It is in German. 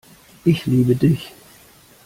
Ich liebe Dich.